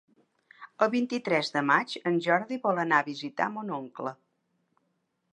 El vint-i-tres de maig en Jordi vol anar a visitar mon oncle.